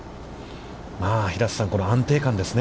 平瀬さん、この安定感ですね。